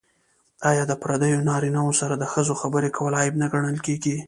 آیا د پردیو نارینه وو سره د ښځو خبرې کول عیب نه ګڼل کیږي؟